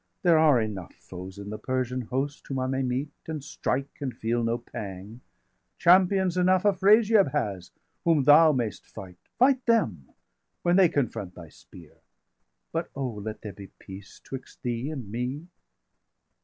There are enough foes in the Persian host, Whom I may meet, and strike, and feel no pang; Champions enough Afrasiab has, whom thou 445 Mayst fight; fight them, when they confront thy spear! But oh, let there be peace 'twixt thee and me!"